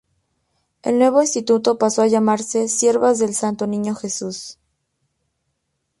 El nuevo instituto pasó a llamarse: Siervas del Santo Niño Jesús.